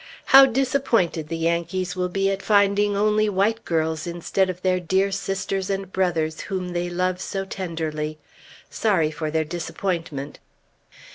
How disappointed the Yankees will be at finding only white girls instead of their dear sisters and brothers whom they love so tenderly! Sorry for their disappointment!